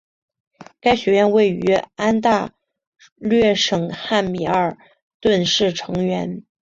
该学院位于安大略省汉密尔顿市成员。